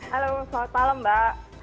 halo selamat malam mbak